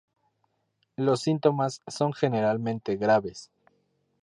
Los síntomas son generalmente graves.